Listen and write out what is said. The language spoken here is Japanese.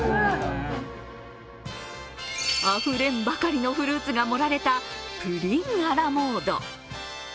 あふれんばかりのフルーツが盛られたプリンアラモード。